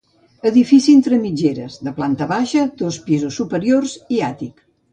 Edifici entre mitgeres, de planta baixa, dos pisos superior i àtic.